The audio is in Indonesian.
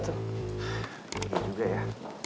jangan juga ya